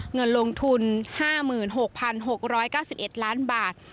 เงินลงทุน๕๖๖๙๑ล้านบาท